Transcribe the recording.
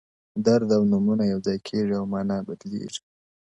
o درد او نومونه يو ځای کيږي او معنا بدلېږي,